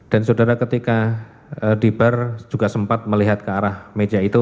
dan saudara ketika di bar juga sempat melihat ke arah meja itu